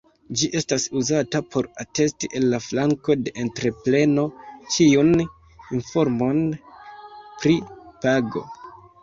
Ĝi estas uzata por atesti el la flanko de entrepreno ĉiun informon pri pago.